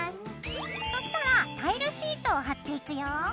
そしたらタイルシートを貼っていくよ。